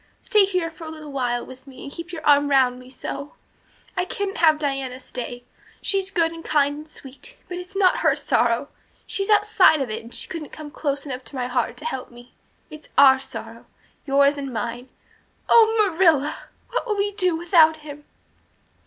Stay here for a little while with me and keep your arm round me so. I couldn't have Diana stay, she's good and kind and sweet but it's not her sorrow she's outside of it and she couldn't come close enough to my heart to help me. It's our sorrow yours and mine. Oh, Marilla, what will we do without him?"